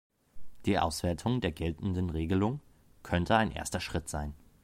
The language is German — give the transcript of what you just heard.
Die Auswertung der geltenden Regelung könnte ein erster Schritt sein.